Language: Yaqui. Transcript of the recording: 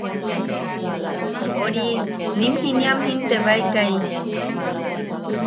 Ori, nim jiniam jintebaekai.